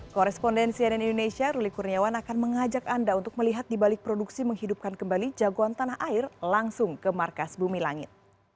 korespondensi ann indonesia ruli kurniawan akan mengajak anda untuk melihat dibalik produksi menghidupkan kembali jagoan tanah air langsung ke markas bumi langit